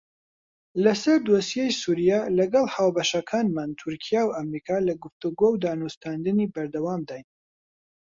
لەسەر دۆسیەی سووریا لەگەڵ هاوبەشەکانمان تورکیا و ئەمریکا لە گفتوگۆ و دانوستاندنی بەردەوامداین.